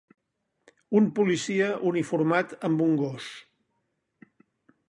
Un policia uniformat amb un gos.